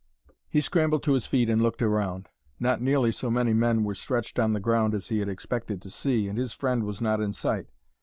He scrambled to his feet and looked around. Not nearly so many men were stretched on the ground as he had expected to see, and his friend was not in sight.